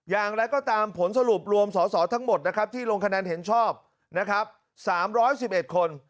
อย่างไรก็ตามผลสรุปรวมสอสอทั้งหมดนะครับที่ลงคะแนนเห็นชอบนะครับ๓๑๑คน